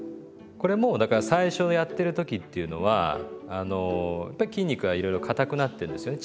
これもだから最初やってる時っていうのはやっぱり筋肉がいろいろかたくなってるんですよね